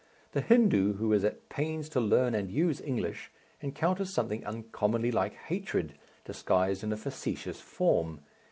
The Hindoo who is at pains to learn and use English encounters something uncommonly like hatred disguised in a facetious form.